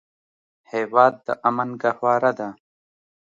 هېواد د امن ګهواره ده.